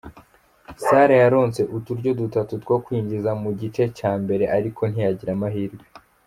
Salah yaronse uturyo dutatu two kwinjiza mu gice ca mbere, ariko ntiyagira amahirwe.